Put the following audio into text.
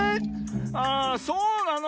あらそうなの。